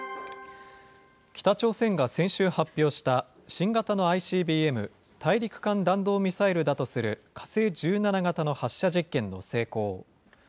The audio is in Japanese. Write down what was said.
北朝鮮が先週発表した、新型のＩＣＢＭ・大陸間弾道ミサイルだとする火星１７型の発射実験の成功。